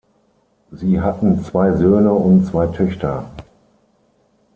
Sie hatten zwei Söhne und zwei Töchter.